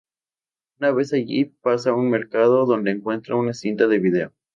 Una vez allí, pasa a un mercado, donde encuentra una cinta de vídeo.